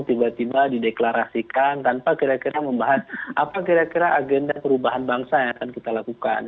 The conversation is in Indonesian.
tiba tiba dideklarasikan tanpa kira kira membahas apa kira kira agenda perubahan bangsa yang akan kita lakukan